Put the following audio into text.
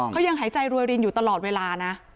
เขายังหายใจรวยรินอยู่ตลอดเวลานะ